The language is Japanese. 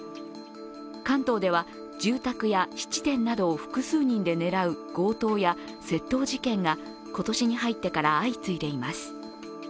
関東では、住宅や質店などを複数人で狙う強盗や窃盗事件が今年に入ってから相次いでいます。